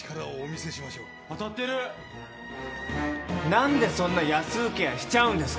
何でそんな安請け合いしちゃうんですか。